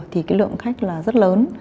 thì cái lượng khách là rất lớn